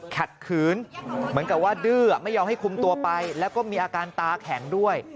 ขัดขืนเหมือนกับว่าดื้อไม่ยอมให้คุมตัวไปแล้วก็มีอาการตาแข็งด้วย